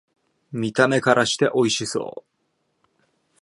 見た目からしておいしそう